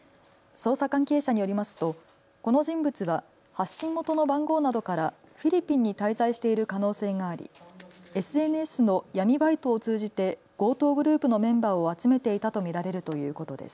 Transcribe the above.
捜査関係者によりますとこの人物は発信元の番号などからフィリピンに滞在している可能性がありＳＮＳの闇バイトを通じて強盗グループのメンバーを集めていたと見られるということです。